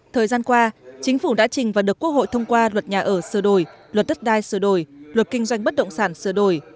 thời gian qua chính phủ đã trình và được quốc hội thông qua luật nhà ở sửa đổi luật đất đai sửa đổi luật kinh doanh bất động sản sửa đổi